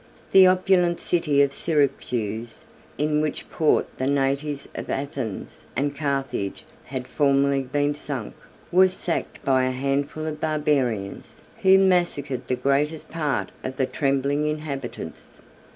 The opulent city of Syracuse, in whose port the navies of Athens and Carthage had formerly been sunk, was sacked by a handful of barbarians, who massacred the greatest part of the trembling inhabitants.